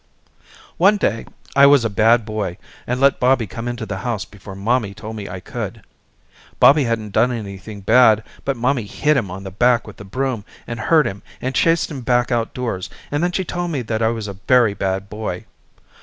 One day I was a bad boy and let Bobby come into the house before mommy told me I could. Bobby hadn't done anything bad but mommy hit him on the back with the broom and hurt him and chased him back outdoors and then she told me I was a very bad boy.